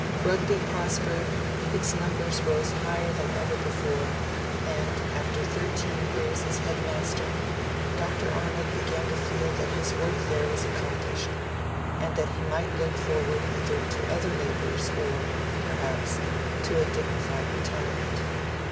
Rugby prospered; its numbers rose higher than ever before; and, after thirteen years as headmaster, Dr. Arnold began to feel that his work there was accomplished, and that he might look forward either to other labours or, perhaps, to a dignified retirement.